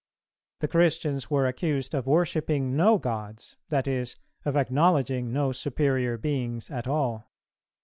The Christians were accused of worshipping no gods, that is, of acknowledging no superior beings at all.